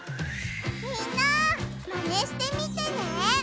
みんなマネしてみてね！